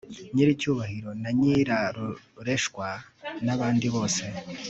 nyiricyubahiro na nyirarureshwa, nabandi bose